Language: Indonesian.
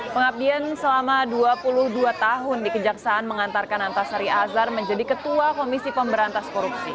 pengabdian selama dua puluh dua tahun di kejaksaan mengantarkan antasari azhar menjadi ketua komisi pemberantas korupsi